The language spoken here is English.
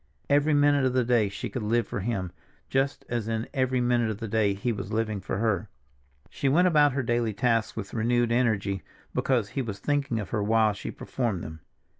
Every minute of the day she could live for him, just as in every minute of the day he was living for her. She went about her daily tasks with renewed energy, because he was thinking of her while she performed them.